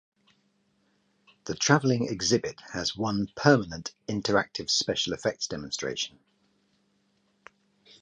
The traveling exhibit has one 'permanent' interactive special effects demonstration.